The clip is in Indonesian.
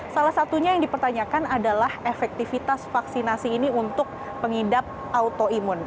salah satunya yang dipertanyakan adalah efektivitas vaksinasi ini untuk pengidap autoimun